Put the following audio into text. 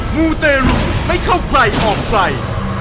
มูเตรุไม่เข้าใครออกใคร